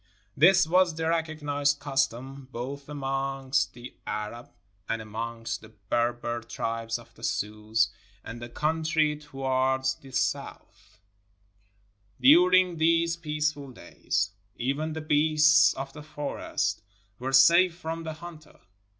This was the recognized custom, both amongst the Arab and amongst the Berber tribes of the Soos, and the country towards 309 NORTHERN AFRICA the south. During these peaceful days, even the beasts of the forest were safe from the hunter.